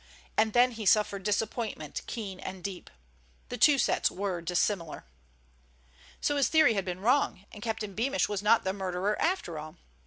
And then he suffered disappointment keen and deep. The two sets were dissimilar. So his theory had been wrong, and Captain Beamish was not the murderer after all!